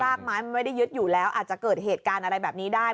กไม้มันไม่ได้ยึดอยู่แล้วอาจจะเกิดเหตุการณ์อะไรแบบนี้ได้